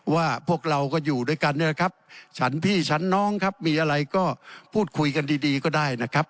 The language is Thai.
ว่าพวกเราก็อยู่ด้วยกันเนี่ยนะครับฉันพี่ฉันน้องครับมีอะไรก็พูดคุยกันดีดีก็ได้นะครับ